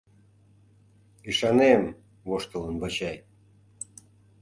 — Ӱшанем! — воштылын Вачай.